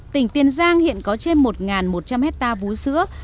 tỉnh tiền giang hiện có trên một một trăm linh hectare bú sữa